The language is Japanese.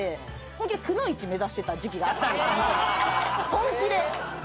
本気で！